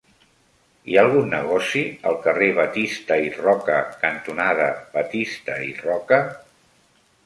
Hi ha algun negoci al carrer Batista i Roca cantonada Batista i Roca?